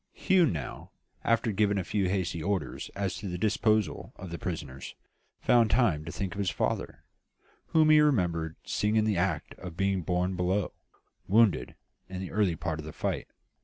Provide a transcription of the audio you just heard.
"Hugh now, after giving a few hasty orders as to the disposal of the prisoners, found time to think of his father, whom he remembered seeing in the act of being borne below, wounded, in the early part of the fight.